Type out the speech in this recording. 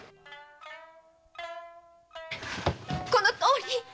このとおり！